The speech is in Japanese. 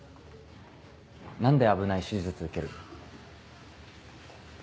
何で危ない手術受けるの？